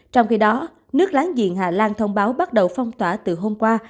trong khi đó nước láng giềng hà lan thông báo bắt đầu phong tỏa từ hôm qua